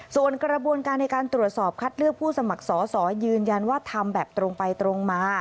ส่วนกระบวนการในการตรวจสอบคัดเลือกผู้สมัครสอสอยืนยันว่าทำแบบตรงไปตรงมา